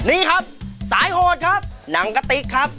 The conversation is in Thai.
นี่ครับสายโหดครับหนังกะติ๊กครับ